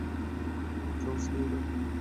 তবে কোনো চান্স নিও না।